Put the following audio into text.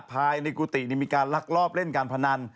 ภายในกุฏิมีการลักลอบเล่นการพนัน